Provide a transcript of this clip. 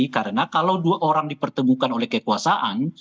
karena kalau dua orang dipertemukan oleh kekuasaan